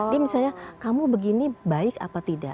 dia misalnya kamu begini baik apa tidak